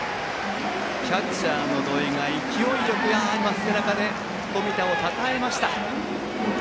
キャッチャーの土肥が勢いよく背中をたたいて冨田をたたえました。